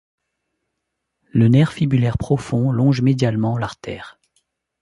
Le nerf fibulaire profond longe médialement l'artère.